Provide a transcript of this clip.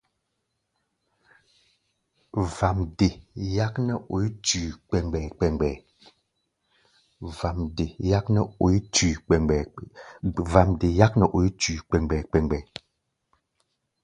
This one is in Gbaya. Vamde yák nɛ oí tui kpɛɛmgbɛɛ-kpɛɛmgbɛɛ.